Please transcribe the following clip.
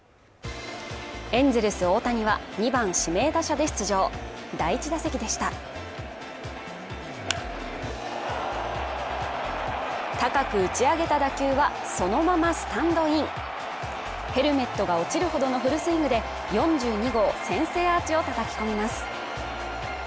エンゼルス大谷は２番指名打者で出場第１打席でした高く打ち上げた打球はそのままスタンドインヘルメットが落ちるほどのフルスイングで４２号先制アーチをたたき込みます